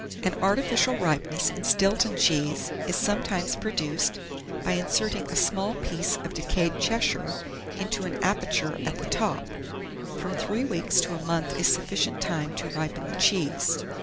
An artificial ripeness in Stilton cheese is sometimes produced by inserting a small piece of decayed Cheshire into an aperture at the top. From 3 weeks to a month is sufficient time to ripen the cheese.